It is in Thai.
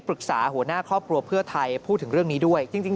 หัวหน้าครอบครัวเพื่อไทยพูดถึงเรื่องนี้ด้วยจริง